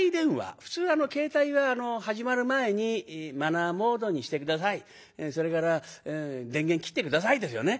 普通携帯は始まる前にマナーモードにして下さいそれから電源切って下さいですよね。